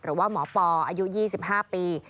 หรือว่าหมอปออายุ๒๕ปี